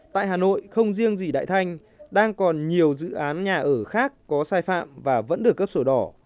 tại hà nội không riêng gì đại thanh đang còn nhiều dự án nhà ở khác có sai phạm và vẫn được cấp sổ đỏ